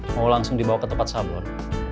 mau langsung dibawa ke tempat sabon